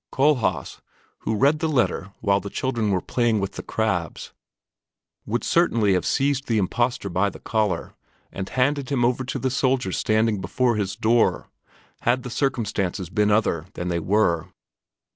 Kohlhaas, who read the letter while the children were playing with the crabs, would certainly have seized the imposter by the collar and handed him over to the soldiers standing before his door, had the circumstances been other than they were.